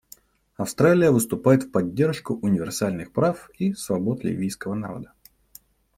Австралия выступает в поддержку универсальных прав и свобод ливийского народа.